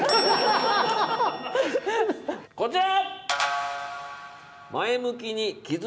こちら！